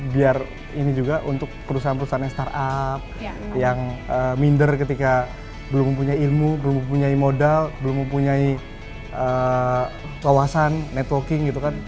biar ini juga untuk perusahaan perusahaan yang startup yang minder ketika belum punya ilmu belum mempunyai modal belum mempunyai kawasan networking gitu kan